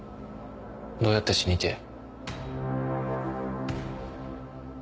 どうやって死にてえ？